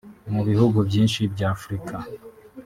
Mu bihugu byinshi bya Afurika